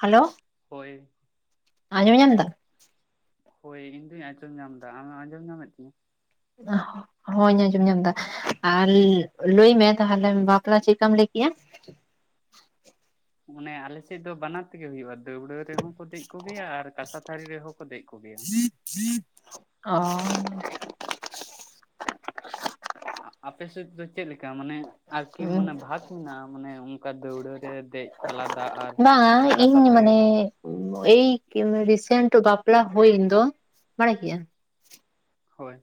Hello. ᱦᱳᱭ᱾ ᱟᱸᱡᱚᱢ ᱧᱟᱢ ᱫᱟ᱾ ᱦᱳᱭ ᱤᱧᱫᱩᱧ ᱟᱸᱡᱚᱢ ᱧᱟᱢ ᱫᱟ ᱟᱢ ᱟᱡᱚᱢ ᱧᱟᱢᱮᱫ ᱛᱤᱧᱟᱹ? ᱚᱦ ᱦᱚᱧ ᱟᱸᱡᱚᱢ ᱧᱟᱢ ᱫᱟ ᱟᱨ ᱞᱮᱻ ᱞᱟᱹᱭ ᱢᱮ ᱛᱟᱦᱞᱮ ᱵᱟᱯᱞᱟ ᱪᱮᱠᱟᱢ ᱞᱟᱹᱭ ᱠᱮᱜᱼᱟ? ᱚᱱᱮ ᱟᱞᱮᱥᱮᱫ ᱫᱚ ᱵᱟᱱᱟᱨ ᱛᱮᱜᱮ ᱦᱩᱭᱩᱼᱟ ᱫᱟᱹᱣᱲᱟᱹ ᱨᱮᱦᱚᱸ ᱠᱚ ᱫᱮᱡ ᱠᱚᱜᱮᱭᱟ ᱟᱨ ᱠᱟᱥᱟ ᱛᱷᱟᱹᱨᱤ ᱨᱮᱦᱚᱸ ᱠᱚ ᱫᱮᱡ ᱠᱚᱜᱮᱭᱟ᱾ ᱚᱻ ᱾ ᱟ ᱟᱯᱮ ᱥᱮᱫ ᱫᱚ ᱪᱮᱫ ᱞᱮᱠᱟ ᱢᱟᱱᱮ ᱟᱨᱠᱤ ᱢᱟᱱᱮ ᱵᱷᱟᱜᱽ ᱢᱮᱱᱟᱜᱼᱟ ᱢᱟᱱᱮ ᱚᱱᱠᱟ ᱫᱟᱹᱣᱲᱟᱹ ᱨᱮ ᱫᱮᱡ ᱟᱞᱟᱫᱟ ᱟᱨ ᱵᱟᱝᱟ ᱠᱟᱥᱟ ᱤᱧ ᱛᱷᱟᱹᱨᱤ ᱢᱟᱱᱮ ᱮᱭ ᱠᱮᱢᱮ ᱨᱤᱥᱮᱱᱴ ᱵᱟᱯᱞᱟ ᱦᱩᱭᱮᱱ ᱫᱚ ᱵᱟᱲᱟᱭ ᱜᱮᱭᱟ ᱦᱳᱭ᱾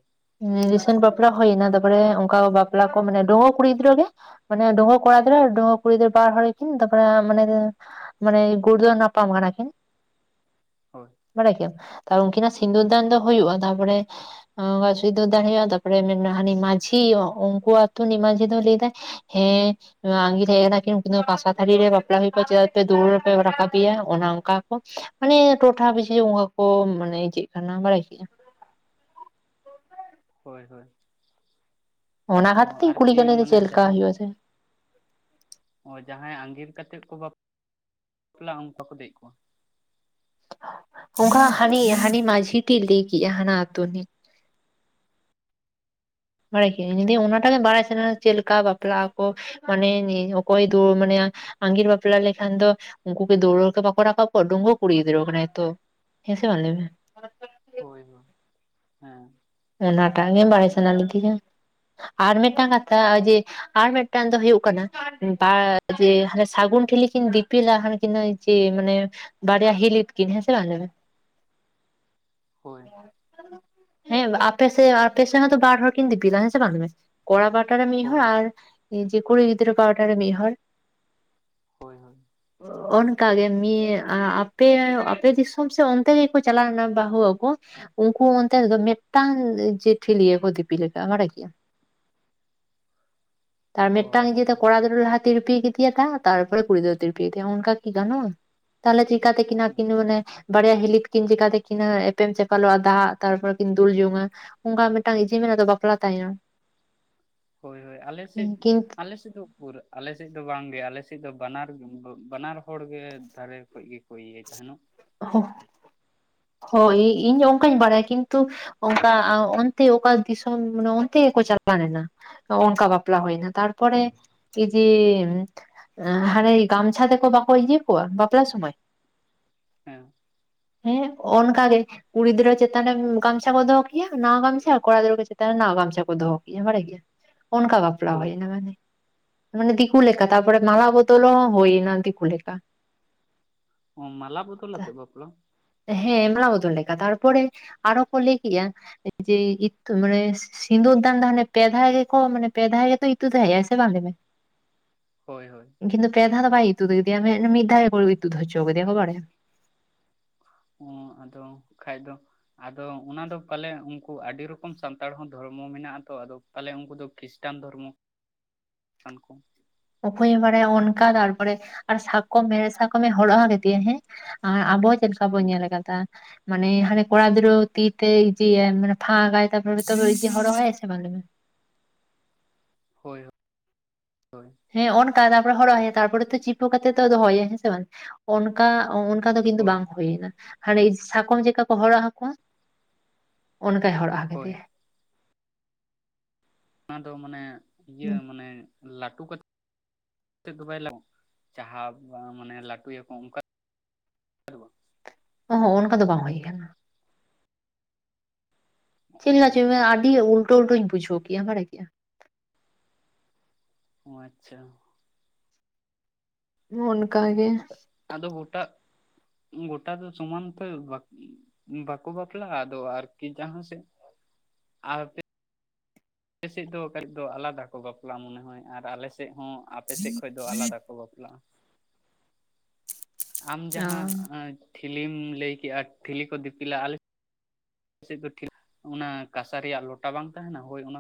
ᱨᱤᱥᱮᱱᱴ ᱵᱟᱯᱞᱟ ᱦᱩᱭᱱᱟ ᱛᱟᱨᱯᱚᱨᱮ ᱚᱱᱠᱟ ᱵᱟᱯᱞᱟ ᱠᱚ ᱢᱟᱱᱮ ᱫᱚᱦᱚ ᱠᱩᱲᱤ ᱜᱤᱫᱽᱨᱟᱹ ᱜᱮ᱾ ᱢᱟᱱᱮ ᱰᱚᱦᱚ ᱠᱚᱲᱟ ᱜᱤᱫᱽᱨᱟᱹ ᱰᱚᱦᱚ ᱠᱩᱲᱤ ᱜᱤᱫᱟᱨ ᱵᱟᱨ ᱦᱚᱲ ᱠᱤᱱ [unintelligible] ᱢᱟᱱᱮ ᱫᱚ ᱢᱟᱱᱮ ᱜᱩᱲᱫᱟᱣ ᱱᱟᱯᱟᱢ ᱠᱟᱱᱟ ᱠᱤᱱ᱾ ᱦᱳᱭ᱾ ᱵᱟᱲᱟᱭ ᱠᱮ ᱟᱢ ᱛᱟᱣ ᱩᱱᱠᱤᱱᱟᱜ ᱥᱤᱸᱫᱩᱨ ᱫᱟᱱ ᱫᱚ ᱦᱩᱭᱩᱼᱟ ᱛᱟᱨᱯᱚᱨᱮ ᱚᱝᱵᱟᱡ ᱱᱩᱭ ᱫᱚ ᱫᱟᱦᱲᱮᱼᱟ ᱛᱟᱯᱚᱨᱮ ᱢᱮᱱᱟ ᱦᱟᱱᱤ ᱢᱟᱹᱡᱷᱤ ᱩᱝᱠᱩ ᱟᱛᱳ ᱱᱤᱡ ᱢᱟᱹᱡᱷᱤ ᱫᱚᱭ ᱞᱟᱹᱭᱫᱟᱭ ᱦᱮᱸ ᱱᱚᱣᱟ ᱟᱸᱜᱤᱨ ᱦᱮᱡ ᱮᱱᱟ ᱠᱤᱱ ᱩᱱᱠᱤᱱ ᱫᱚ ᱠᱟᱥᱟ ᱛᱷᱟᱹᱨᱤ ᱨᱮ ᱵᱟᱯᱞᱟ ᱦᱩᱭ ᱠᱚᱣᱟ ᱪᱮᱫᱟᱜ ᱯᱮ ᱫᱟᱣᱲᱟ ᱯᱮ ᱨᱟᱠᱟᱵ ᱠᱮᱭᱟ ᱚᱱᱟ ᱚᱱᱠᱟ ᱠᱚ ᱢᱟᱱᱮ ᱴᱚᱴᱷᱟ ᱯᱤᱪᱷᱤ ᱚᱱᱠᱟ ᱠᱚ ᱢᱟᱱᱮ ᱪᱮᱫ ᱠᱟᱱᱟ ᱵᱟᱲᱟᱭ ᱪᱮᱼᱟ᱾ ᱦᱳᱭ ᱦᱳᱭ᱾ ᱚᱱᱟ ᱚ ᱦᱟᱛ ᱛᱤᱧ ᱠᱩᱞᱤ ᱟᱨᱠᱤ ᱠᱮᱞᱮᱞᱮ ᱪᱮ ᱢᱟᱱᱮ ᱞᱮᱠᱟ ᱡᱟᱦᱟᱸ ᱦᱩᱭᱩᱜ ᱟ ᱥᱮ ᱚ ᱡᱟᱦᱟᱸᱭ ᱟᱸᱜᱤᱨ ᱠᱟᱛᱮᱫ ᱠᱚ ᱵᱟᱯ ᱞᱟᱜᱼᱟ ᱚᱱᱠᱟ ᱠᱚ ᱫᱮᱡ ᱠᱚᱣᱟ᱾ ᱚᱱᱠᱟ ᱦᱟᱹᱱᱤ ᱦᱟᱹᱱᱤ ᱢᱟᱹᱡᱷᱤ ᱴᱤᱡ ᱞᱟᱹᱭ ᱠᱮᱜᱼᱟ ᱦᱟᱱᱟ ᱟᱹᱛᱳ ᱨᱤᱱᱤᱡ᱾ ᱵᱟᱲᱟᱭ ᱠᱮᱭᱟᱱ ᱡᱩᱫᱤ ᱚᱱᱟᱴᱟᱜ ᱜᱮ ᱵᱟᱲᱟᱭ ᱥᱟᱱᱟ ᱟ ᱪᱮᱫ ᱞᱮᱠᱟ ᱵᱟᱯᱞᱟ ᱟᱠᱚ᱾ ᱢᱟᱱᱮ ᱤᱧ ᱚᱠᱚᱭ ᱫᱩ ᱢᱟᱱᱮᱭᱟ ᱟᱸᱜᱤᱨ ᱵᱟᱯᱞᱟ ᱞᱮᱠᱷᱟᱱ ᱫᱚ ᱩᱱᱠᱩ ᱜᱮ ᱫᱟᱣᱲᱟ ᱵᱟᱠᱚ ᱨᱟᱠᱟᱵ ᱠᱚᱣᱟ ᱰᱩᱝᱜᱩ ᱠᱩᱲᱤ ᱜᱤᱫᱽᱨᱟᱹ ᱠᱟᱱᱟᱭ ᱛᱚ᱾ ᱦᱮᱸ ᱥᱮ ᱵᱟᱝ ᱞᱟᱭᱢᱮ ᱦᱳᱭ ᱦᱳᱭ ᱦᱮᱸ ᱚᱱᱟᱴᱟᱜ ᱜᱮᱢ ᱵᱟᱲᱟᱭ ᱥᱟᱱᱟ ᱞᱤᱫᱤᱧᱟ ᱟᱨ ᱢᱤᱫᱴᱟᱝ ᱠᱟᱛᱷᱟ ᱱᱚᱜ ᱡᱮ ᱟᱨ ᱢᱤᱫᱴᱟᱝ ᱫᱚ ᱦᱩᱭᱩᱜ ᱠᱟᱱᱟ ᱡᱮ ᱦᱟᱱᱮ ᱥᱟᱹᱜᱩᱱ ᱴᱷᱤᱞᱤ ᱠᱤᱱ ᱫᱤᱯᱤᱞᱟ ᱦᱟᱱ ᱠᱤᱱ ᱱᱟᱹᱭ ᱪᱮ ᱢᱟᱱᱮ ᱵᱟᱲᱭᱟ ᱦᱤᱞᱤᱛ ᱠᱤᱱ ᱦᱮᱥᱮ ᱵᱟᱝ ᱞᱟ ᱢᱮ ᱦᱳᱭ ᱦᱮᱸ ᱟᱯᱮᱥ ᱟᱯᱮ ᱥᱮ ᱦᱚᱸᱛᱚ ᱵᱟᱨ ᱦᱚᱲ ᱠᱤᱱ ᱫᱤᱯᱤᱞᱟ ᱥᱮ ᱵᱟᱝ ᱢᱮ ᱠᱚᱲᱟ ᱵᱟᱴᱟᱨ ᱨᱮ ᱢᱤᱫ ᱦᱚᱲ ᱦᱳᱭ ᱟᱨ ᱤ ᱡᱮ ᱠᱩᱲᱤ ᱜᱤᱫᱽᱨᱟᱹ ᱯᱟᱳᱴᱟ ᱨᱮ ᱢᱤᱫ ᱦᱚᱲ ᱦᱳᱭ ᱦᱳᱭ ᱚ ᱚᱱᱠᱟᱜᱮ ᱢᱤᱫ ᱟᱯᱮ ᱟᱯᱮ ᱫᱤᱥᱚᱢ ᱥᱮ ᱚᱱᱛᱮ ᱜᱮᱠᱚ ᱪᱟᱞᱟᱣᱱᱟ ᱵᱟᱹᱦᱩ ᱟᱜᱩ ᱩᱱᱠᱩ ᱚᱱᱛᱮ ᱨᱮᱫᱚ ᱫᱚᱢᱮᱼᱼ ᱢᱤᱫ ᱴᱟᱝ ᱡᱮ ᱴᱷᱤᱞᱤ ᱜᱮ ᱠᱚ ᱫᱤᱯᱤᱞ ᱞᱟᱜ ᱟ ᱢᱟᱱᱮ [inaudible] ᱟᱨ ᱚ ᱢᱤᱫ ᱴᱟᱝ ᱟᱪᱪᱷᱟ ᱜᱮᱛᱚ ᱠᱚᱲᱟ ᱜᱤᱫᱽᱨᱟᱹ [inaudible] ᱛᱤᱨᱯᱤᱭ ᱜᱮ ᱫᱤᱭᱟ, ᱛᱟᱨᱯᱚᱨ ᱠᱩᱲᱤ ᱫᱚ ᱛᱤᱨᱯᱤᱭ ᱫᱤᱭ ᱚᱱᱠᱟ ᱠᱤ ᱜᱟᱱᱚᱜᱼᱟ ᱛᱟᱦᱞᱮ ᱪᱤᱼᱼ ᱼᱼᱠᱟᱛᱮ ᱟᱹᱠᱤᱱᱟ ᱢᱟᱱᱮ ᱵᱟᱨᱭᱟ ᱦᱤᱞᱤ ᱛᱩᱠᱤᱱ ᱪᱤᱠᱟᱛᱮ ᱠᱤᱱᱟᱹ ᱮᱯᱮᱢ ᱪᱟᱯᱟᱞᱚᱜᱼᱟ ᱾ ᱛᱟᱦᱟᱸ ᱛᱟᱨᱯᱚᱨ ᱠᱤᱱ ᱫᱩᱞ ᱡᱚᱝᱟ ᱚᱱᱠᱟ ᱢᱤᱫᱴᱟᱝ ᱡᱤᱢ ᱫᱚ ᱵᱟᱯᱞᱟ ᱛᱟᱭᱚᱢ ᱾ ᱦᱳᱭ ᱦᱳᱭ ᱟᱞᱮᱥᱮᱫ ᱠᱤᱱᱛᱩ ᱟᱞᱮᱥᱮᱫ ᱫᱚ ᱯᱩᱨᱟᱹ ᱟᱞᱮᱥᱮᱡ ᱫᱚ ᱵᱟᱝᱜᱮ ᱟᱞᱮᱥᱮᱡ ᱫᱚ ᱵᱟᱱᱟᱨ, ᱵᱟᱱᱟᱨ ᱦᱚᱲ ᱜᱮ ᱫᱷᱟᱨᱮ ᱠᱷᱚᱡ ᱜᱮᱠᱚ ᱤᱭᱟᱹᱭ ᱛᱟᱦᱮᱸᱱᱚᱜ ᱾ ᱦᱚ ᱦᱚ ᱤᱧ ᱦᱚᱸ ᱚᱱᱠᱟᱧ ᱵᱟᱲᱟᱭᱟ ᱠᱤᱱᱛᱩᱼᱼ ᱚᱱᱠᱟ ᱚᱠᱟ ᱫᱤᱥᱚᱢ ᱚᱱᱛᱮ ᱜᱮᱠᱚ ᱪᱟᱞᱟᱣ ᱞᱮᱱᱟ ᱾ ᱚᱱᱠᱟ ᱵᱟᱯᱞᱟ ᱦᱩᱭᱱᱟ ᱛᱟᱨᱯᱚᱨᱮ ᱡᱮ ᱦᱟᱱᱮ ᱜᱟᱢᱪᱷᱟ ᱛᱮᱠᱚ ᱵᱟᱠᱚ ᱤᱭᱟᱹ ᱠᱚᱣᱟ ᱵᱟᱯᱞᱟ ᱥᱚᱢᱚᱭ ᱦᱮᱸ ᱦᱮᱸ ᱚᱱᱠᱟᱜ ᱞᱤᱧ ᱠᱩᱲᱤ ᱜᱤᱫᱽᱨᱟᱹ ᱪᱮᱛᱟᱱ ᱨᱮ ᱜᱟᱢᱪᱷᱟ ᱠᱚ ᱫᱚᱦᱚ ᱠᱮᱭᱟ ᱱᱟᱣᱟ ᱜᱟᱢᱷᱟ ᱜᱤᱫᱽᱨᱟᱹ ᱠᱚ ᱪᱮᱛᱟᱱ ᱨᱮ ᱱᱟᱣᱟ ᱜᱟᱢᱪᱷᱟ ᱠᱚ ᱫᱚᱦᱚ ᱠᱮᱭᱟ ᱵᱟᱲᱟ ᱜᱮ ᱾ ᱜᱮᱭᱟ ᱩᱱᱠᱟ ᱵᱟᱠᱼᱼ ᱥᱟᱯᱲᱟᱣ ᱦᱳᱭ ᱦᱩᱭᱱᱟ ᱢᱟᱱᱮ ᱢᱟᱱᱮ ᱫᱤᱠᱩ ᱞᱮᱠᱷᱟ ᱛᱥᱯᱚᱨ ᱢᱟᱞᱟ ᱵᱚᱫᱚᱞ ᱦᱚᱸ ᱦᱩᱭᱱᱟ ᱫᱤᱠᱩ ᱞᱮᱠᱷᱟ᱾ ᱚ ᱢᱟᱞᱟ ᱵᱚᱫᱚᱞ ᱟᱛᱮ ᱵᱟᱯᱞᱟ? ᱦᱮᱸ ᱢᱟᱞᱟ ᱵᱚᱫᱚᱞ ᱞᱮᱠᱟ ᱛᱟᱨᱯᱚᱨᱮ ᱟᱨᱚ ᱠᱚ ᱞᱟᱹᱭ ᱠᱮᱜᱼᱟ ᱡᱮ ᱤᱫ ᱢᱟᱱᱮ ᱥᱤᱸᱫᱩᱨᱫᱟᱱ ᱫᱚ ᱦᱟᱱᱮ ᱯᱮ ᱫᱷᱟᱣ ᱜᱮ ᱠᱚ ᱢᱟᱱᱮ ᱯᱮ ᱫᱷᱟᱣ ᱜᱮ ᱠᱚ ᱤᱛᱩᱫ ᱮ ᱛᱟᱦᱮᱸᱱᱟ ᱥᱮ ᱵᱟᱝ ᱦᱳᱭ ᱦᱳᱭ ᱠᱤᱱᱛᱩ ᱯᱮ ᱫᱷᱟᱣ ᱫᱚ ᱵᱟᱭ ᱤᱛᱩᱫ ᱫᱮᱭᱟ ᱢᱮ ᱢᱤᱫ ᱫᱷᱟᱣ ᱜᱮ ᱤᱛᱩᱫ ᱦᱚᱪᱚᱣ ᱠᱮᱫᱮᱭᱟ ᱠᱷᱚᱵᱽ ᱵᱟᱲᱮ? ᱚᱸ ᱟᱫᱚ ᱠᱷᱟᱡ ᱫᱚ ᱟᱫᱚ ᱚᱱᱟᱫᱚ ᱯᱟᱞᱮ ᱩᱱᱠᱩ ᱟᱹᱰᱤ ᱨᱚᱠᱚᱢ ᱥᱟᱱᱛᱟᱲ ᱦᱚᱸ ᱫᱷᱚᱨᱢᱚ ᱢᱮᱱᱟᱜᱼᱟ ᱛᱚ ᱟᱫᱚ᱾ ᱛᱟᱦᱚᱞᱮ ᱩᱱᱠᱩ ᱫᱚ ᱠᱷᱤᱨᱤᱥᱴᱟᱱ ᱫᱷᱚᱨᱢᱚ ᱠᱟᱱ ᱠᱚ ᱾ ᱚᱠᱚᱭᱮ ᱵᱟᱲᱟᱭᱟ ᱚᱱᱠᱟ ᱛᱟᱨᱯᱚᱨᱮ ᱟᱨ ᱥᱟᱠᱚᱢ ᱦᱮᱲᱦᱮᱫ ᱥᱟᱠᱚᱢᱮ ᱦᱚᱨᱚᱜ ᱞᱮᱫᱮᱭᱟ ᱦᱮᱸ ᱾ ᱟᱵᱚ ᱪᱮᱫ ᱞᱮᱠᱟ ᱵᱚᱱ ᱧᱮᱞ ᱠᱟᱫᱟ ᱾ ᱢᱟᱱᱮ ᱦᱟᱱᱮ ᱠᱚᱲᱟ ᱜᱤᱫᱽᱨᱟᱹ ᱛᱤ ᱛᱮ ᱡᱮ ᱢᱟᱱᱮ ᱯᱷᱟᱸᱠᱟᱭ ᱛᱟᱯᱚᱨ ᱦᱚᱨᱚᱜᱟᱭ ᱥᱮ ᱵᱟᱝ ᱢᱟᱱᱮ ᱾ ᱦᱳᱭ ᱦᱳᱭ ᱦᱮᱸ ᱚᱱᱠᱟ ᱛᱟᱨᱯᱚᱨᱮ ᱦᱚᱨᱚᱜ ᱟᱭᱟᱭ ᱛᱟᱨᱯᱚᱨᱮ ᱛᱚ ᱪᱤᱯᱩ ᱠᱟᱛᱮᱜ ᱛᱚ ᱫᱚᱦᱚᱭᱮᱭᱟ ᱾ ᱦᱮᱸ ᱥᱮ ᱵᱟᱝ? ᱚᱱᱠᱟ ᱚᱱᱠᱟ ᱫᱚ ᱠᱤᱱᱛᱩ ᱦᱳᱭ ᱵᱟᱝ ᱦᱩᱭᱱᱟ ᱦᱟᱷᱮ ᱥᱟᱠᱚᱢ ᱪᱮᱫᱠᱟ ᱠᱚ ᱦᱚᱨᱚᱜ ᱟᱠᱚᱣᱟ᱾ ᱚᱱᱠᱟᱭ ᱦᱚᱨᱚᱜᱼᱟ ᱦᱳᱭ ᱠᱮᱫᱮᱭᱟ᱾ ᱚᱱᱟ ᱫᱚ ᱢᱟᱱᱮ ᱤᱭᱟᱹ ᱢᱟᱱᱮ ᱞᱟᱹᱴᱩ ᱠᱟᱛᱮᱫ [unintelligible] ᱡᱟᱦᱟᱸ ᱢᱟᱱᱮ ᱞᱟᱹᱴᱩᱭ ᱟᱠᱚ ᱚᱱᱠᱟ ᱚ ᱦᱚᱸ ᱚᱱᱠᱟ ᱫᱚ ᱵᱟᱝ ᱦᱩᱭ ᱠᱟᱱᱟ ᱾ ᱪᱮᱫ ᱚ ᱞᱮᱠᱟ ᱪᱚᱭ ᱡᱮ ᱟᱪᱪᱷᱟ ᱟᱹᱰᱤ ᱩᱞᱴᱟᱹ ᱩᱞᱴᱟᱹᱧ ᱵᱩᱡᱷᱟᱹᱣ ᱠᱮᱫᱼᱟ ᱵᱟᱲᱟᱭ ᱠᱮᱜᱼᱟ ᱾ ᱚ ᱟᱪᱪᱷᱟ᱾ ᱚᱱᱠᱟᱜᱮ ᱾ ᱟᱫᱚ ᱜᱚᱴᱟ ᱜᱚᱴᱟ ᱫᱚ ᱥᱚᱢᱟᱱ ᱛᱮ ᱵᱟᱠᱤ ᱵᱟᱠᱚ ᱵᱟᱯᱞᱟᱜᱼᱟ ᱟᱫᱚ ᱟᱨᱠᱤ ᱡᱟᱦᱟᱸ ᱥᱮᱫ ᱟᱨ ᱟᱞᱮ ᱥᱮᱫ ᱫᱚ ᱠᱟᱹᱡ ᱫᱚ ᱟᱞᱟᱫᱟ ᱠᱚ ᱵᱟᱯᱞᱟᱜᱼᱟ ᱢᱚᱱᱮ ᱦᱳᱭ ᱟᱨ ᱟᱞᱮ ᱥᱮᱫ ᱦᱚᱸ ᱟᱯᱮ ᱥᱮᱫ ᱠᱷᱚᱡ ᱫᱚ ᱟᱞᱟᱫᱟ ᱠᱚ ᱵᱟᱯᱞᱟᱜᱼᱟ᱾ ᱟᱢ ᱚ ᱡᱟᱦᱟᱸ ᱴᱷᱤᱞᱤᱢ ᱞᱟᱹᱭ ᱠᱮᱜᱼᱟ ᱴᱷᱤᱞᱤ ᱠᱚ ᱫᱤᱯᱤᱞᱟ, ᱟᱞᱮ ᱟᱞᱮ ᱥᱮᱫ ᱫᱚ ᱴᱷᱤᱠ ᱚᱱᱟ ᱠᱟᱥᱟ ᱨᱮᱭᱟᱜ ᱞᱚᱴᱟ ᱵᱟᱝ ᱛᱟᱦᱮᱸᱱᱟ ᱦᱳᱭ ᱚᱱᱟ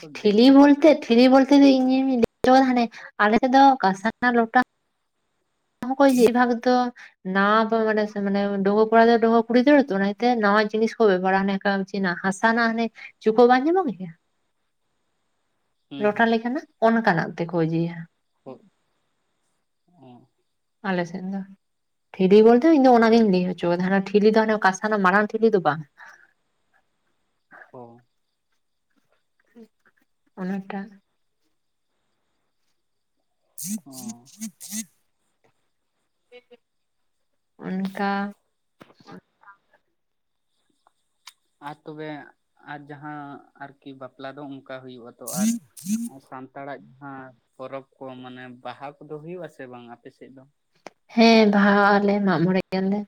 ᱠᱚ ᱴᱷᱤᱞᱤ ᱫᱤᱯᱤᱞ ᱵᱚᱞᱛᱮ ᱴᱷᱤᱞᱤ ᱵᱚᱞᱛᱮ ᱤᱧᱤᱧ ᱞᱟᱹᱭᱟᱹᱫᱟ ᱦᱟᱱᱮ ᱟᱞᱮ ᱥᱮᱫ ᱫᱚ ᱠᱟᱥᱟ ᱨᱮᱱᱟᱜ ᱞᱚᱴᱟ [unintelligible] ᱱᱟᱣᱟ ᱠᱚ ᱢᱟᱱᱮ ᱢᱟᱱᱮ ᱰᱟᱹᱝᱣᱟᱹ ᱠᱚᱲᱟ ᱫᱚ ᱰᱟᱹᱝᱣᱟᱹ ᱠᱩᱲᱤ ᱫᱟᱹᱲᱼᱟ ᱛᱚ ᱚᱱᱟᱛᱮ ᱱᱟᱣᱟ ᱡᱤᱱᱤᱥ ᱠᱚ ᱵᱮᱵᱷᱟᱨᱟ ᱚᱱᱮ ᱚᱱᱠᱟ᱾ ᱦᱟᱥᱟ ᱨᱮᱱᱟᱜ ᱦᱟᱱᱮ ᱪᱩᱠᱟᱹᱜ ᱵᱟᱝ ᱧᱟᱢᱚᱜ ᱜᱮᱭᱟ ᱾ ᱦᱩᱸ ᱞᱚᱴᱟ ᱦᱩᱸ ᱞᱮᱠᱟᱱᱟᱜ ᱚᱱᱠᱟᱱᱟᱜ ᱛᱮᱠᱚ ᱤᱭᱟᱹᱭᱟ᱾ [unintelligible] ᱟᱞ ᱥᱮᱱ ᱫᱚ ᱴᱷᱤᱞᱤ ᱵᱚᱞᱛᱮ ᱤᱧ ᱚᱱᱟᱜᱤᱧ ᱞᱟᱹᱭ ᱦᱚᱪᱚ ᱠᱟᱫᱟ ᱴᱷᱤᱞᱤ ᱫᱚ ᱦᱟᱱᱮ ᱠᱟᱸᱥᱟ ᱨᱮᱱᱟᱜ ᱢᱟᱨᱟᱝ ᱴᱷᱤᱞᱤ ᱫᱚ ᱵᱟᱝ᱾ ᱚ ᱾ [unintelligible] [unintelligible] ᱚᱱᱠᱟ ᱟᱨ ᱛᱚᱵᱮ ᱟᱨ ᱡᱟᱦᱟᱸ ᱟᱨᱠᱤ ᱵᱟᱯᱞᱟ ᱫᱚ ᱚᱱᱠᱟ ᱦᱩᱭᱩᱜ ᱟᱛᱚ ᱟᱨ [unintelligible] ᱥᱟᱱᱛᱟᱲᱟᱜ ᱡᱟᱦᱟᱸ ᱯᱚᱨᱚᱵᱽ ᱠᱚ ᱢᱟᱱᱮ ᱵᱟᱦᱟ ᱠᱚᱫᱚ ᱦᱩᱭᱩᱜ ᱟᱥᱮ ᱵᱟᱝ ᱟᱯᱮ ᱥᱮᱫ ᱫᱚ? ᱦᱮᱸ ᱵᱟᱦᱟ ᱟᱞᱮ ᱢᱟᱜ ᱢᱚᱸᱬᱮ ᱜᱮᱭᱟ ᱞᱮ᱾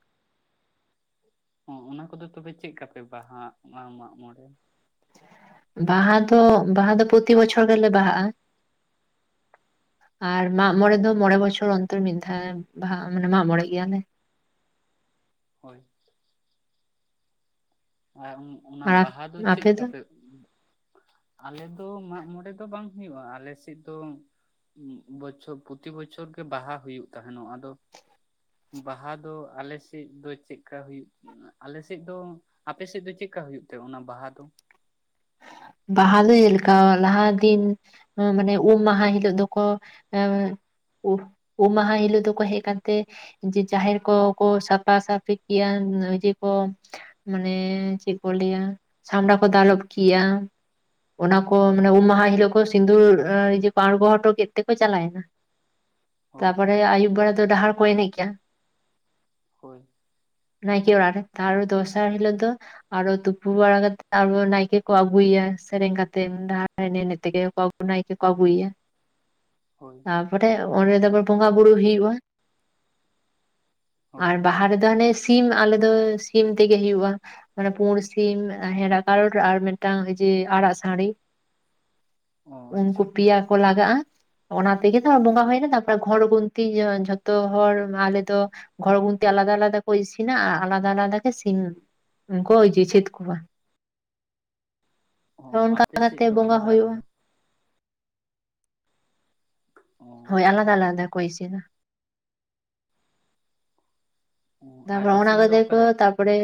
ᱚ ᱻᱚᱱᱟ ᱠᱚᱫᱚ ᱛᱚᱵᱮ ᱪᱮᱫ ᱞᱮᱠᱟᱯᱮ ᱵᱟᱦᱟ ᱢᱟᱜ ᱢᱚᱬᱮ ᱵᱟᱦᱟ ᱫᱚ ᱵᱟᱦᱟ ᱫᱚ ᱯᱨᱚᱛᱤ ᱵᱚᱪᱷᱚᱨ ᱜᱮᱞᱮ ᱵᱟᱦᱟᱜᱼᱟ ᱾ ᱟᱨ ᱢᱟᱜ ᱦᱚᱸ ᱢᱚᱸᱬᱮ ᱫᱚ ᱢᱚᱸᱬᱮ ᱵᱚᱪᱷᱚᱨ ᱚᱱᱛᱚᱨ ᱢᱤᱫ ᱫᱷᱟᱣ ᱵᱟᱦᱟ ᱢᱟᱜ ᱢᱚᱸᱬᱮ ᱜᱮᱭᱟᱞᱮ᱾ ᱦᱳᱭ ᱾ ᱟᱨ ᱚᱱᱟ ᱟᱨ ᱵᱟᱦᱟ ᱫᱚ ᱪᱮᱫ ᱟᱯᱮ ᱠᱟᱯᱮ ᱟᱞᱮ ᱫᱚ ᱢᱟᱜ ᱢᱚᱬᱮ ᱫᱚ ᱵᱟᱝ ᱦᱩᱭᱩᱜᱼᱟ ᱟᱞᱮ ᱥᱮᱫ ᱫᱚ᱾ ᱵᱚᱪᱷᱚᱨ ᱯᱨᱚᱛᱤ ᱵᱚᱪᱷᱚᱨ ᱜᱮ ᱵᱟᱦᱟ ᱦᱩᱭᱩᱜ ᱛᱟᱦᱮᱱᱚᱜ, ᱟᱫᱚ ᱵᱟᱦᱟ ᱫᱚ ᱟᱞᱮ ᱥᱮᱫ ᱫᱚ ᱪᱮᱫᱠᱟᱹ ᱦᱩᱭᱩᱜ ᱟᱞᱮ ᱥᱮᱫ ᱫᱚ ᱟᱯᱮ ᱥᱮᱫ ᱫᱚ ᱪᱮᱫᱠᱟᱹ ᱦᱩᱭᱩᱜ ᱛᱮ ᱚᱱᱟ ᱵᱟᱦᱟ ᱫᱚ? ᱵᱟᱦᱟ ᱫᱚ ᱪᱮᱫᱞᱮᱠᱟ ᱞᱟᱸᱦᱟ ᱫᱤᱱ ᱢᱟᱱᱮ ᱩᱢ ᱢᱟᱦᱟ ᱦᱤᱞᱳᱜ ᱫᱚᱠᱚ ᱮᱻ ᱩ ᱢᱩ ᱢᱟᱦᱟ ᱦᱤᱞᱳᱜ ᱫᱚᱠᱚ ᱦᱮᱡ ᱠᱟᱛᱮ ᱡᱮ ᱡᱟᱦᱮᱨ ᱠᱚᱠᱚ ᱥᱟᱯᱷᱟ ᱥᱟᱯᱷᱤ ᱠᱮᱭᱟ ᱤᱭᱟᱹ ᱠᱚ ᱢᱟᱱᱮ ᱪᱮᱫ ᱠᱚ ᱞᱟᱹᱭᱟ ᱪᱷᱟᱢᱰᱟ ᱠᱚ ᱫᱟᱞᱚᱵ ᱠᱤᱭᱟ ᱚᱱᱟ ᱠᱚ ᱦᱳᱭ ᱢᱟᱱᱮ ᱩᱢ ᱢᱟᱦᱟ ᱦᱤᱞᱳᱜ [inaudible] ᱟᱬᱜᱳ ᱦᱚᱴᱚ ᱠᱮᱫ ᱛᱮᱠᱚ ᱪᱟᱞᱟᱭᱱᱟ᱾ ᱦᱳᱭ ᱛᱟᱨᱯᱚᱨᱮ ᱟᱭᱩᱵ ᱵᱮᱲᱟ ᱫᱚ ᱰᱟᱦᱟᱨ ᱨᱮᱠᱚ ᱮᱱᱮᱡᱟ᱾ ᱦᱳᱭ ᱾ ᱱᱟᱭᱠᱮ ᱚᱲᱟᱜ ᱨᱮ, ᱛᱟᱨ ᱫᱚᱥᱟᱨ ᱦᱤᱞᱳᱜ ᱫᱚ ᱟᱨᱚ ᱛᱩᱯᱩ ᱵᱟᱲᱟᱜ ᱠᱟᱛᱮ ᱟᱨᱚ ᱱᱟᱭᱠᱮ ᱠᱚ ᱟᱹᱜᱩᱭᱟ ᱥᱮᱨᱮᱧ ᱠᱟᱛᱮᱫ ᱰᱟᱦᱟᱨ ᱮᱱᱮᱡ ᱮᱱᱮᱡ ᱛᱮᱜᱮ ᱠᱚ ᱱᱟᱭᱠᱮ ᱠᱚ ᱟᱹᱜᱩᱭᱟ ᱾ ᱦᱳᱭ ᱾ ᱛᱟᱯᱚᱨᱮ ᱚᱸᱰᱮ ᱫᱚ ᱟᱵᱟᱨ ᱵᱚᱸᱜᱟ ᱵᱩᱨᱩ ᱦᱩᱭᱩᱜᱼᱟ ᱾ ᱦᱳᱭ ᱟᱨ ᱵᱟᱦᱟ ᱨᱮᱫᱚ ᱦᱟᱸᱱᱮ ᱥᱤᱢ ᱟᱞᱮ ᱫᱚ ᱥᱤᱢ ᱛᱮᱜᱮ ᱦᱳᱭᱳᱜᱼᱟ ᱢᱟᱱᱮ ᱯᱩᱲ ᱥᱤᱢ, ᱦᱮᱸᱲᱟᱜ ᱠᱟᱞᱚᱴ ᱟᱨ ᱢᱤᱫᱴᱟᱝ ᱡᱮ ᱟᱨᱟᱜ ᱥᱟᱸᱰᱤ ᱚ ᱟᱪᱪᱷᱟ ᱩᱱᱠᱩ ᱯᱮᱭᱟ ᱠᱚ ᱞᱟᱜᱟᱜᱼᱟ ᱚᱱᱟ ᱛᱮᱜᱮ ᱛᱚ ᱵᱚᱸᱜᱟ ᱦᱳᱭ ᱦᱩᱭᱱᱟ ᱛᱟᱨᱯᱚᱨᱮ ᱜᱷᱚᱨ ᱜᱩᱱᱛᱤ ᱤᱭᱟᱹ ᱡᱷᱚᱛᱚ ᱦᱚᱲ ᱟᱞᱮ ᱫᱚ ᱜᱷᱚᱨ ᱜᱩᱱᱛᱮ ᱟᱞᱟᱫᱟ ᱟᱞᱟᱫᱟ ᱠᱚ ᱤᱥᱤᱱᱟ ᱟᱨ ᱟᱞᱟᱫᱟ ᱟᱞᱟᱫᱟ ᱜᱮ ᱥᱤᱢ ᱩᱱ ᱠᱚ ᱡᱮ ᱡᱷᱮᱫ ᱠᱚᱣᱟ ᱾ ᱚ ᱦᱳᱭ ᱚᱱᱠᱟ ᱟᱯᱮ ᱥᱮᱫ ᱠᱟᱛᱮ ᱫᱚ ᱵᱚᱸᱜᱟ ᱟᱞᱟᱫᱟ ᱦᱳᱭᱳᱜᱼᱟ ᱟᱞᱟᱫᱟ ᱾ ᱚ [unintelligible] ᱦᱳᱭ ᱟᱞᱟᱫᱟ ᱟᱞᱟᱫᱟ ᱠᱚ ᱤᱥᱤᱱᱟ ᱾ ᱚ ᱟᱨ ᱛᱟᱯᱚᱨᱮ ᱚᱱᱟ ᱤᱥᱤᱱ ᱫᱚ ᱠᱚᱛᱮ ᱠᱚ ᱚᱠᱟᱨᱮ ᱛᱟᱯᱚᱨᱮ,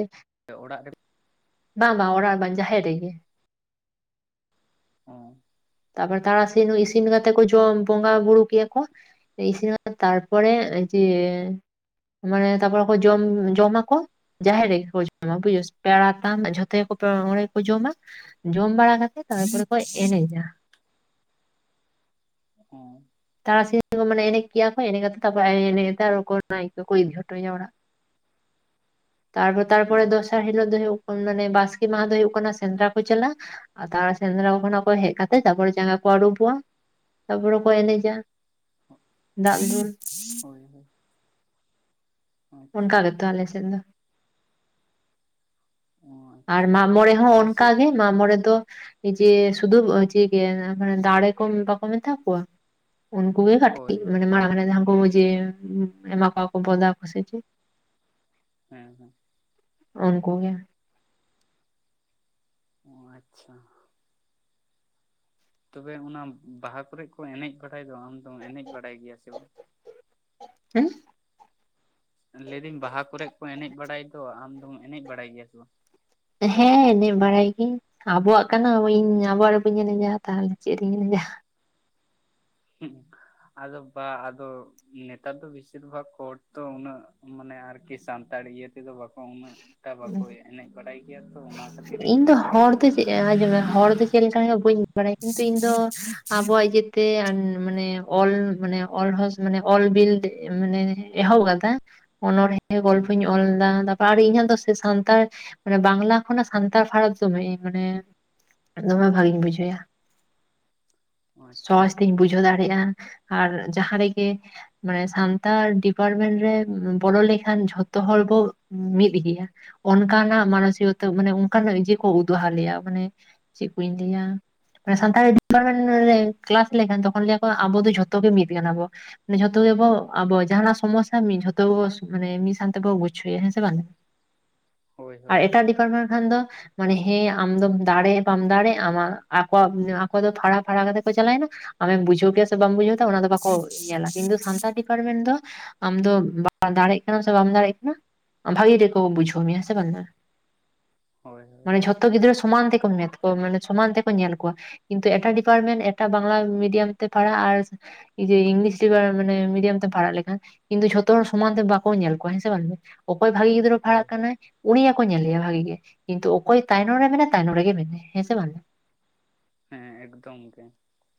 ᱚᱲᱟᱜ ᱨᱮ ᱵᱟᱝ ᱵᱟᱝ ᱚᱲᱟᱜ ᱵᱟᱝ ᱡᱟᱦᱮᱨ ᱨᱮᱜᱮ ᱾ ᱚ ᱾ ᱛᱟᱯᱚᱨ ᱛᱟᱨᱟᱥᱤᱧ ᱤᱥᱤᱱ ᱠᱟᱛᱮᱫ ᱠᱚ ᱡᱚᱢ ᱵᱚᱸᱜᱟ ᱵᱩᱨᱩ ᱠᱮᱜ-ᱟ ᱠᱚ ᱤᱥᱤᱱᱟ ᱛᱟᱨᱯᱚᱨᱮ ᱫᱤᱭᱮ ᱢᱟᱱᱮ ᱛᱟᱯᱚᱨ ᱡᱚᱢ ᱡᱚᱢᱟᱠᱚ ᱾ ᱡᱟᱦᱮᱨ ᱨᱮᱜᱮ ᱠᱚ ᱡᱚᱢᱟ ᱵᱩᱡᱷᱟᱹ ᱯᱮᱲᱟ ᱛᱟᱢ ᱡᱷᱚᱛᱚ ᱜᱮᱠᱚ ᱚᱸᱰᱮ ᱜᱮᱠᱚ ᱡᱚᱢᱟ ᱾ ᱡᱚᱢ ᱵᱟᱲᱟ ᱠᱟᱛᱮ ᱛᱟᱨᱯᱚᱨᱮ ᱠᱚ ᱦᱳᱭ ᱮᱱᱮᱡᱟ ᱾ ᱚ ᱾ ᱛᱟᱨᱟᱥᱤᱧ ᱠᱚ ᱢᱟᱱᱮ ᱮᱱᱮᱡ ᱠᱮᱭᱟ ᱠᱚ ᱮᱱᱮᱡ ᱠᱟᱛᱮ ᱛᱟᱯᱚᱨᱮ [unintelligible] ᱤᱫᱤ ᱦᱚᱴᱚᱭᱭᱟ ᱚᱲᱟᱜ ᱾ [unintelligible] ᱛᱟᱨᱯᱚᱨ ᱚ ᱛᱟᱨᱯᱚᱨᱮ ᱟᱪᱪᱷᱟ ᱫᱚᱥᱟᱨ ᱦᱤᱞᱳᱜ ᱫᱚ ᱦᱩᱭᱩᱜ ᱠᱟᱱᱟ ᱢᱟᱱᱮ ᱵᱟᱥᱠᱮ ᱢᱟᱦᱟ ᱫᱚ ᱦᱩᱭᱩᱜ ᱠᱟᱱᱟ ᱥᱮᱸᱫᱽᱨᱟ ᱠᱚ ᱪᱟᱞᱟᱜ-ᱟ ᱾ ᱟᱨ ᱛᱟᱨᱯᱚᱨ ᱥᱮᱸᱫᱽᱨᱟ ᱠᱷᱚᱱᱟᱜ ᱠᱚ ᱦᱮᱡ ᱠᱟᱛᱮᱜ ᱛᱟᱯᱚᱨᱮ ᱡᱟᱸᱜᱟ ᱠᱚ ᱟᱹᱨᱩᱵᱚᱜᱼᱟ ᱛᱟᱯᱚᱨᱮ ᱠᱚ ᱮᱱᱮᱡ ᱟ ᱫᱟᱜ ᱫᱩᱞ ᱾ ᱦᱳᱭ ᱦᱳᱭ ᱾ ᱚᱱᱠᱟ ᱜᱮᱛᱚ ᱟᱞᱮ ᱥᱮ ᱫᱚ ᱾ ᱚ ᱟᱨ ᱟᱪᱪᱷᱟ ᱢᱟᱜ ᱢᱚᱬᱮ ᱦᱚᱸ ᱟᱞᱮ ᱚᱱᱠᱟ ᱥᱮᱫ ᱜᱮ ᱢᱟᱜ ᱢᱚᱬᱮ ᱫᱚ ᱡᱮ ᱥᱩᱫᱷᱩ ᱡᱮ ᱢᱟᱱᱮ ᱫᱟᱲᱮ ᱠᱚ ᱵᱟᱠᱚ ᱢᱮᱛᱟ ᱠᱚᱣᱟ? ᱩᱱᱠᱩ ᱜᱮ ᱦᱳᱭ ᱠᱟᱹᱴᱤᱡ ᱦᱳᱭ ᱢᱟᱱᱮ ᱢᱟᱲᱟᱝ ᱨᱮ ᱡᱟᱦᱟᱸᱠᱩ ᱡᱮ ᱮᱢᱟ ᱠᱚᱣᱟ ᱠᱚ ᱵᱚᱫᱟ ᱠᱚ ᱥᱮ ᱪᱮᱫ ᱾ ᱦᱮᱸ ᱦᱮᱸ ᱾ ᱩᱱᱠᱩ ᱜᱮ ᱾ ᱚ ᱟᱪᱪᱷᱟ ᱾ ᱛᱚᱵᱮ ᱚᱱᱟ ᱵᱟᱦᱟ ᱠᱚᱨᱮᱜ ᱠᱚ ᱮᱱᱮᱡ ᱵᱟᱲᱟᱭ ᱫᱚ ᱟᱢ ᱫᱚᱢ ᱮᱱᱮᱡ ᱵᱟᱲᱟᱭ ᱜᱮᱭᱟ ᱥᱮ ᱵᱟᱝ? ᱦᱩᱸᱦ? ᱞᱟᱹᱭᱫᱟᱹᱧ ᱵᱟᱦᱟ ᱠᱚᱨᱮ ᱠᱚ ᱮᱱᱮᱡ ᱵᱟᱲᱟᱭ ᱫᱚ, ᱟᱢᱫᱚᱢ ᱮᱱᱮᱡ ᱵᱟᱲᱟᱭ ᱜᱮᱭᱟ ᱥᱮ ᱵᱟᱝ? ᱦᱮᱸ ᱮᱱᱮᱡ ᱵᱟᱲᱟᱭ ᱜᱮ ᱾ ᱟᱵᱚᱣᱟᱜ ᱠᱟᱱᱟ ᱤᱧ ᱟᱵᱚᱣᱟᱜ ᱵᱟᱹᱧ ᱮᱱᱮᱡᱟ ᱛᱟᱦᱚᱞᱮ ᱪᱮᱫ ᱨᱤᱧ ᱮᱱᱮᱡᱟ? ᱦᱩᱸ ᱾ ᱟᱫᱚ ᱵᱟ ᱟᱫᱚ ᱱᱮᱛᱟᱨ ᱫᱚ ᱵᱤᱥᱤᱨ ᱵᱷᱟᱜᱽ ᱠᱳᱨᱴ ᱛᱚ ᱩᱱᱟᱹᱜ ᱢᱟᱱᱮ ᱟᱨᱠᱤ ᱥᱟᱱ ᱛᱟᱲ ᱤᱭᱟᱹ ᱛᱮᱫᱚ ᱵᱟᱠᱚ ᱩᱱᱟᱹᱜ ᱴᱟ ᱵᱟᱠᱚ ᱮᱱᱮᱡ ᱵᱟᱰᱟᱭ ᱜᱮᱭᱟ ᱛᱚ ᱚᱱᱟ ᱠᱷᱟᱹᱛᱤᱨᱤᱧ ᱤᱧ ᱠᱩᱞᱤ ᱫᱚ ᱠᱮᱫ [inaudible] ᱦᱚᱲ ᱢᱮᱭᱟ ᱫᱚ ᱪᱮᱫ ᱾ ᱟᱸᱡᱚᱢ ᱦᱚᱲ ᱫᱚ ᱪᱮᱫ ᱞᱮᱠᱟᱱᱟᱠᱚ ᱵᱟᱹᱧ ᱵᱟᱲᱟᱭᱟ ᱠᱤᱱᱛᱩ ᱤᱧ ᱫᱚ ᱟᱵᱚᱣᱟᱜ ᱤᱭᱟᱹ ᱛᱮ ᱢᱟᱱᱮ ᱚᱞ ᱢᱟᱱᱮ ᱚᱞ ᱦᱚᱸ ᱢᱟᱱᱮ ᱚᱞ ᱵᱤᱞ ᱢᱟᱱᱮ ᱮᱦᱚᱵ ᱠᱟᱫᱟ ᱚᱱᱚᱬᱦᱮ ᱦᱩᱸ ᱜᱚᱞᱯᱚᱧ ᱚᱞ ᱞᱮᱫᱟ ᱛᱟᱯᱚᱨ ᱟᱨ ᱤᱧᱟᱹᱜ ᱫᱚ ᱥᱟᱱᱛᱟᱲ ᱢᱟᱱᱮ ᱵᱟᱝᱞᱟ ᱠᱷᱚᱱᱟᱜ ᱥᱟᱱᱛᱟᱲ ᱯᱷᱟᱨᱟᱛ ᱫᱚᱢᱮ ᱢᱟᱱᱮ ᱫᱚᱢᱮ ᱵᱷᱟᱜᱤᱧ ᱵᱩᱡᱷᱟᱹᱭᱟ᱾ ᱟᱪᱪᱷᱟ ᱥᱚᱦᱚᱡ ᱛᱤᱧ ᱵᱩᱡᱷᱟᱹᱣ ᱫᱟᱲᱮᱭᱟᱜᱼᱟ ᱟᱨ ᱡᱟᱦᱟᱸ ᱨᱮᱜᱮ ᱢᱟᱱᱮ ᱥᱟᱱᱛᱟᱲ ᱰᱤᱯᱟᱨᱢᱮᱱᱴ ᱨᱮ ᱵᱚᱞᱚ ᱞᱮᱠᱷᱟᱱ ᱡᱷᱚᱛᱚ ᱦᱚᱲ ᱵᱚ ᱢᱤᱫ ᱜᱮᱭᱟ᱾ ᱚᱱᱠᱟᱱᱟᱜ ᱢᱟᱱᱚᱥᱤᱠᱚᱛᱟ ᱢᱟᱱᱮ ᱚᱱᱠᱟᱱᱟᱜ ᱤᱭᱟᱹ ᱠᱚ ᱩᱫᱩᱦᱟ ᱞᱮᱭᱟ ᱢᱟᱱᱮ ᱪᱮᱫ ᱠᱩᱧ ᱞᱟᱹᱭᱟ ᱥᱟᱱᱛᱟᱲᱤ ᱰᱤᱯᱟᱨᱢᱮᱱᱴ ᱨᱮ ᱠᱞᱟᱥ ᱞᱮᱠᱷᱟᱱ ᱛᱚᱠᱷᱚᱱ ᱞᱟᱹᱭᱟ ᱠᱚ ᱟᱵᱚ ᱡᱷᱚᱛᱚ ᱜᱮ ᱢᱤᱫ ᱠᱟᱱᱟ ᱟᱵᱚ᱾ ᱢᱟᱱᱮ ᱡᱷᱚᱛᱚ ᱜᱮᱵᱚ ᱟᱵᱚ ᱡᱟᱦᱟᱱᱟᱜ ᱥᱚᱢᱚᱥᱥᱟ ᱢᱤᱫ ᱡᱷᱚᱛᱚ ᱜᱮ ᱢᱟᱱᱮ ᱢᱤᱫ ᱥᱟᱶ ᱛᱮ ᱵᱚ ᱜᱩᱪᱷᱩᱭᱭᱟ ᱦᱮᱸ ᱥᱮ ᱵᱟᱝ᱾ [inaudible] ᱦᱳᱭ ᱟᱨ ᱦᱳᱭ ᱮᱴᱟᱜ ᱰᱤᱯᱟᱨᱢᱮᱱᱴ ᱠᱷᱟᱱ ᱫᱚ ᱢᱟᱱᱮ ᱦᱮᱸ ᱟᱢ ᱫᱚ ᱫᱟᱲᱮ ᱵᱟᱢ ᱫᱟᱲᱮᱜ ᱟᱢᱟᱜ ᱟᱠᱚᱣᱟᱜ ᱟᱠᱚ ᱫᱚ ᱯᱷᱟᱲᱟ ᱯᱷᱟᱲᱟ ᱠᱟᱛᱮ ᱠᱚ ᱪᱟᱞᱟᱣᱮᱱᱟ ᱟᱢᱮᱢ ᱵᱩᱡᱷᱟᱹᱣ ᱠᱮᱭᱟ ᱥᱮ ᱵᱟᱢ ᱵᱩᱡᱷᱟᱹᱣ ᱠᱮᱫᱟ ᱚᱱᱟ ᱫᱚ ᱵᱟᱠᱚ ᱧᱮᱞᱟ ᱠᱤᱱᱛᱩ ᱥᱟᱱᱛᱟᱲ ᱰᱤᱯᱟᱨᱴᱢᱮᱱᱴ ᱫᱚ ᱟᱢ ᱫᱚ ᱵᱟ ᱫᱟᱲᱮᱜ ᱠᱟᱱᱟᱢ ᱥᱮ ᱵᱟᱢ ᱫᱟᱲᱮᱜ ᱠᱟᱱᱟ ᱵᱷᱟᱜᱤ ᱜᱮᱠᱚ ᱵᱩᱡᱷᱟᱹᱣ ᱢᱮᱭᱟ ᱦᱮᱸ ᱥᱮ ᱵᱟᱝ ᱢᱟ ᱦᱳᱭ ᱦᱳᱭ ᱢᱟᱱᱮ ᱡᱷᱚᱛᱚ ᱜᱤᱫᱽᱨᱟᱹ ᱥᱚᱢᱟᱱ ᱛᱮᱠᱚ ᱢᱮᱛ ᱠᱚᱣᱟ ᱢᱟᱱᱮ ᱥᱚᱢᱟᱱ ᱛᱮᱠᱚ ᱧᱮᱞ ᱠᱚᱣᱟ᱾ ᱠᱤᱱᱛᱩ ᱮᱴᱟᱜ ᱰᱤᱯᱟᱨᱴᱢᱮᱱᱴ ᱮᱴᱟᱜ ᱵᱟᱝᱞᱟ ᱢᱤᱰᱤᱭᱟᱢ ᱛᱮ ᱯᱟᱲᱦᱟᱜ ᱟᱨ ᱡᱮ ᱤᱝᱞᱤᱥ ᱰᱤᱯᱟ ᱢᱟᱱᱮ ᱢᱤᱰᱤᱭᱟᱢ ᱛᱮᱢ ᱯᱟᱲᱦᱟᱜ ᱞᱮᱠᱷᱟᱱ ᱠᱤᱱᱛᱩ ᱡᱷᱚᱛᱚ ᱦᱚᱲ ᱥᱚᱢᱟᱱ ᱛᱮ ᱵᱟᱠᱚ ᱧᱮᱞ ᱠᱚᱣᱟ ᱦᱮᱸ ᱥᱮ ᱵᱟᱝ ᱜᱮ ᱚᱠᱚᱭ ᱵᱷᱟᱜᱤ ᱜᱤᱫᱽᱨᱟᱹ ᱯᱟᱲᱦᱟᱜ ᱦᱳᱭ ᱦᱳᱭ ᱠᱟᱱᱟᱭ ᱩᱱᱤᱭᱟᱜ ᱠᱚ ᱧᱮᱞᱮᱭᱟ ᱵᱷᱟᱜᱤ ᱜᱮ᱾ ᱠᱤᱱᱛᱩ ᱚᱠᱚᱭ ᱛᱟᱭᱱᱚᱢ ᱨᱮ ᱢᱮᱱᱟᱭ ᱛᱟᱭᱱᱚᱢ ᱨᱮ ᱜᱮ ᱢᱮᱱᱟᱭ ᱦᱮᱸ ᱥᱮ ᱵᱟᱝ ᱦᱮᱸ ᱮᱠᱫᱚᱢ ᱜᱮ᱾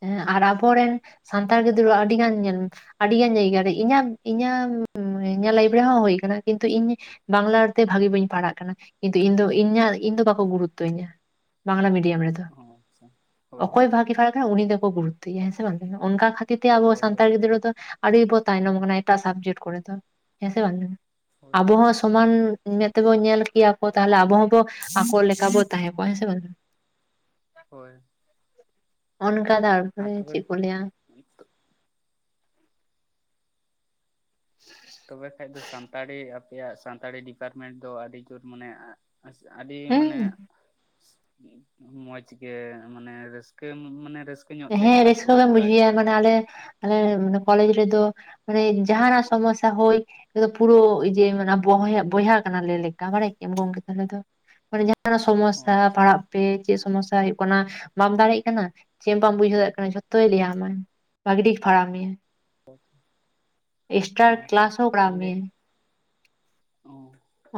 ᱦᱮᱸ ᱟᱨ ᱟᱵᱚᱨᱮᱱ ᱥᱟᱱᱛᱟᱲ ᱜᱤᱫᱽᱨᱟᱹᱣᱟᱜ ᱟᱹᱰᱤ ᱜᱟᱱ ᱧᱮ ᱟᱹᱰᱤᱜᱟᱱ ᱡᱟᱭᱜᱟ ᱨᱮ ᱤᱧᱟᱹᱜ ᱤᱧᱟᱹᱜ ᱞᱟᱭᱤᱯᱷ ᱨᱮᱦᱚᱸ ᱦᱩᱭ ᱟᱠᱟᱱᱟ ᱠᱤᱱᱛᱩ ᱤᱧ ᱵᱟᱝᱞᱟ ᱛᱮ ᱵᱷᱟᱹᱜᱤ ᱵᱟᱹᱧ ᱯᱟᱲᱦᱟᱜ ᱠᱟᱱᱟ ᱠᱤᱱ ᱛᱩ ᱤᱧ ᱫᱚ ᱤᱧᱟᱜ ᱤᱧ ᱫᱚ ᱵᱟᱠᱚ ᱜᱩᱨᱩᱛᱛᱚ ᱤᱧᱟ ᱵᱟᱝᱞᱟ ᱢᱤᱰᱤᱭᱟᱢ ᱨᱮ ᱫᱚ, ᱚ ᱟᱪᱪᱷᱟ ᱦᱳᱭ ᱦᱳᱭ ᱚᱠᱚᱭ ᱵᱷᱟᱜᱤ ᱯᱷᱟᱨᱟᱜ ᱠᱟᱱᱟ ᱩᱱᱤ ᱫᱚᱠᱚ ᱜᱩᱨᱩᱛ ᱛᱚᱭᱟ ᱦᱮᱸ ᱥᱮ ᱵᱟᱝ ᱚᱱᱠᱟ ᱠᱷᱟᱹᱛᱤᱨ ᱛᱮ ᱟᱵᱚ ᱦᱳᱭ ᱦᱳᱭ ᱥᱟᱱᱛᱟᱲ ᱜᱤᱫᱽᱨᱟᱹ ᱫᱚ ᱟᱹᱰᱤᱵᱚ ᱛᱟᱭᱱᱚᱢ ᱟᱠᱟᱱᱟ ᱮᱴᱟᱜ ᱥᱟᱵᱡᱮᱴ ᱠᱚᱨᱮ ᱫᱚ ᱦᱮᱸᱥ ᱵᱟᱝ ᱦᱳᱭ ᱟᱵᱚ ᱦᱳᱭ ᱦᱚᱸ ᱥᱚᱢᱟᱱ ᱢᱮᱫ ᱛᱮᱠᱚ ᱧᱮᱞ ᱠᱮᱭᱟ ᱠᱚ ᱛᱟᱦᱚᱞᱮ ᱟᱵᱚ ᱦᱚᱸᱵᱚ ᱟᱠᱚ ᱞᱮᱠᱟᱵᱚ ᱛᱟᱦᱮᱸ ᱠᱚᱜᱣᱟ ᱦᱮᱸᱥᱮ ᱵᱟᱝ? ᱦᱳᱭ ᱚᱱᱠᱟ ᱟᱨ ᱛᱟᱨᱯᱚᱨᱮ ᱛᱚᱵᱮ ᱪᱮᱫ ᱠᱚ ᱞᱟᱹᱭᱟ [inaudible] ᱛᱚᱵᱮ ᱠᱷᱟᱱᱡᱽ ᱫᱚ ᱥᱟᱱᱛᱟᱲᱤ ᱟᱯᱮᱭᱟᱜ ᱥᱟᱱᱛᱟᱲᱤ ᱰᱤᱯᱟᱨᱢᱮᱱᱴ ᱫᱚ ᱟᱹᱰᱤ ᱡᱳᱨ ᱢᱟᱱᱮ ᱟᱹᱰᱤ ᱢᱟᱱᱮ ᱦᱮᱸ ᱢᱚᱡᱽ ᱜᱮ ᱢᱟᱱᱮ ᱨᱟᱹᱥᱠᱟᱹ ᱢᱟᱱᱮ ᱨᱟᱹᱥ ᱦᱮᱸ ᱨᱟᱹᱥᱠᱟᱹ ᱜᱮᱢ ᱵᱩᱡᱷᱟᱹᱭᱟ ᱢᱟᱱᱮ ᱟᱞᱮ ᱟᱞᱮ ᱠᱚᱞᱮᱡᱽ ᱨᱮᱫᱚ ᱢᱟᱱᱮ ᱡᱟᱦᱟᱱᱟᱜ ᱥᱚᱢᱚᱥᱟ ᱦᱚᱭ ᱟ ᱯᱩᱨᱟᱹ ᱡᱮ ᱵᱚᱭᱟ ᱵᱚᱭᱦᱟ ᱠᱟᱭᱱᱟ ᱞᱮ ᱞᱮᱠᱟ ᱵᱟᱲᱟᱭ ᱠᱮᱟᱢ ᱵᱤᱱ ᱞᱮᱠᱟ ᱫᱚ ᱢᱟᱱᱮ ᱚ ᱥᱚᱢᱚᱥᱟ ᱟᱪᱪᱷᱟ ᱯᱟᱲᱦᱟᱜ ᱯᱮ ᱪᱮᱫ ᱥᱚᱢᱚᱥᱟ ᱦᱩᱭᱩᱜ ᱠᱟᱱᱟ ᱵᱟᱢ ᱫᱟᱲᱮᱜ ᱠᱟᱱᱟ ᱪᱮᱫ ᱵᱟᱢ ᱵᱩᱡᱷᱟᱹᱮ ᱫᱟᱲᱮᱭᱟᱜ ᱠᱟᱱᱟ ᱡᱷᱚᱛᱚᱭ ᱞᱟᱹᱭᱟᱢᱟᱭ ᱵᱷᱟᱹᱜᱮ ᱴᱷᱤᱠ ᱯᱷᱟᱲᱦᱟ ᱢᱮ ᱮᱠᱥᱴᱨᱟ ᱚ ᱟᱪᱪᱷᱟ ᱠᱞᱟᱥ ᱦᱚᱸ ᱠᱚᱨᱟᱳ ᱢᱮ᱾ ᱚᱻ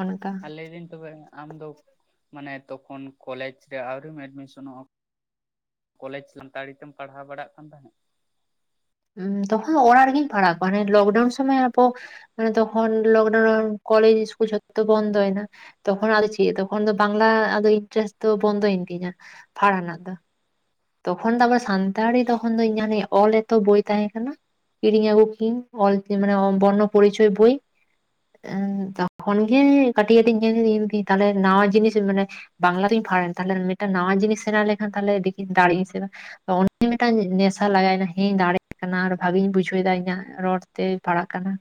ᱚᱱᱠᱟ ᱟᱞᱮᱨᱮᱱ ᱛᱚᱵᱮ ᱟᱢ ᱫᱚ ᱢᱟᱱᱮ ᱛᱚᱠᱷᱚᱱ ᱠᱚᱞᱮᱡᱽ ᱨᱮ ᱟᱹᱣᱨᱤᱢ ᱮᱰᱢᱤᱥᱚᱱᱚᱜ-ᱟ ᱠᱚᱞᱮᱡᱽ ᱥᱟᱱᱛᱟᱲᱤ ᱛᱮᱢ ᱯᱟᱲᱦᱟᱣ ᱵᱟᱲᱟᱜ ᱠᱟᱱ ᱛᱟᱦᱮᱸ ᱱᱟᱜ? ᱦᱚᱸ ᱛᱚᱠᱷᱚᱱ ᱚᱲᱟᱜ ᱨᱮᱜᱤᱧ ᱯᱟᱲᱦᱟᱜ ᱠᱚᱜ-ᱟ ᱢᱟᱱᱮ ᱞᱚᱠᱰᱟᱣᱩᱱ ᱥᱚᱢᱚᱭ ᱟᱫᱚ ᱢᱟᱱᱮ ᱛᱚᱠᱷᱚᱱ ᱞᱚᱠᱰᱟᱣᱩᱱ ᱠᱚᱞᱮᱡᱽ ᱤᱥᱠᱩᱞ ᱡᱚᱛᱚ ᱵᱚᱱᱫ ᱮᱱᱟ ᱛᱚᱠᱷᱚᱱ ᱟᱫᱚ ᱪᱮᱫ ᱛᱚᱠᱷᱚᱱ ᱫᱚ ᱵᱟᱝᱞᱟ ᱟᱫᱚ ᱤᱱᱴᱟᱨᱮᱥᱴ ᱫᱚ ᱵᱚᱱᱫᱚᱭᱮᱱ ᱛᱤᱧᱟᱹ ᱯᱷᱟᱲᱦᱟᱜ ᱨᱮᱱᱟᱜ ᱫᱚ᱾ ᱛᱚᱠᱷᱚᱱ ᱫᱚ ᱟᱵᱚ ᱥᱟᱱᱛᱟᱲᱤ ᱛᱚᱠᱷᱚᱱ ᱫᱚ ᱤᱧᱟᱜ ᱱᱤᱭᱮ ᱚᱞ ᱮᱛᱚ ᱵᱳᱭ ᱛᱟᱦᱮᱸ ᱠᱟᱱᱟ᱾ ᱠᱤᱨᱤᱧ ᱟᱜᱩ ᱠᱤᱧ ᱚᱞ ᱛᱤᱧ ᱢᱟᱱᱮ ᱵᱚᱨᱱᱚ ᱯᱚᱨᱤᱪᱚᱭ ᱵᱳᱭ᱾ [inaudible] ᱛᱚᱠᱷᱚᱱ ᱜᱮ ᱠᱟᱹᱴᱤᱡ ᱧᱮᱞ [inaudible] ᱛᱟᱦᱚᱞᱮ ᱱᱟᱣᱟ ᱡᱤᱱᱤᱥ ᱢᱟᱱᱮ ᱵᱟᱝᱞᱟ ᱛᱮᱧ ᱯᱷᱟᱲᱟᱭᱮᱱ ᱛᱟᱦᱚᱞᱮ ᱢᱤᱫᱴᱟᱝ ᱱᱟᱣᱟ ᱡᱤᱱᱤᱥ ᱥᱮᱬᱟ ᱞᱮᱠᱷᱟᱱ ᱛᱟᱦᱚᱞᱮ ᱫᱮᱠᱷᱤ ᱫᱟᱲᱮ ᱤᱧ ᱥᱮ ᱵᱟᱝ᱾ ᱚᱱᱮ ᱢᱤᱫᱴᱟᱝ ᱱᱮᱥᱟ ᱞᱟᱜᱟᱣᱮᱱᱟ ᱦᱮᱸᱧ ᱫᱟᱲᱮᱭᱟᱜ ᱠᱟᱱᱟ ᱟᱨ ᱵᱷᱟᱜᱤᱧ ᱵᱩᱡᱷᱟᱹᱣᱮᱫᱟ ᱤᱧᱟᱹᱜ ᱨᱚᱲ ᱛᱮ ᱯᱟᱲᱟᱜ ᱠᱟᱱᱟ᱾